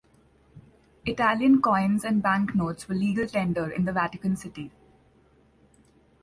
Italian coins and banknotes were legal tender in the Vatican City.